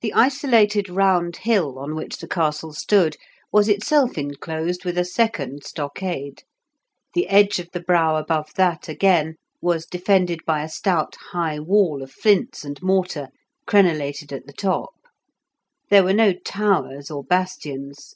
The isolated round hill on which the castle stood was itself enclosed with a second stockade; the edge of the brow above that again was defended by a stout high wall of flints and mortar, crenellated at the top. There were no towers or bastions.